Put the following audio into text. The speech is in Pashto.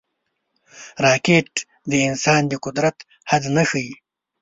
راکټ د انسان د قدرت حد نه ښيي